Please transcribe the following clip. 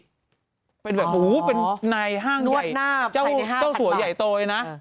อ๋อนวดหน้าภายใน๕๐๐๐ต่อเป็นในห้างใหญ่เจ้าสวยใหญ่ตัวเองนะ